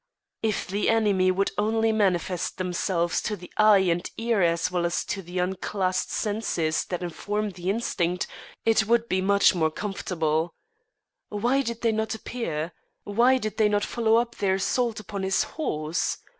If the enemy would only manifest themselves to the eye and ear as well as to the unclassed senses that inform the instinct, it would be much more comfortable. Why did they not appear? Why did they not follow up their assault upon his horse?